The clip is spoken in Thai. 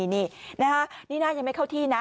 นี่นี่หน้ายังไม่เข้าที่นะ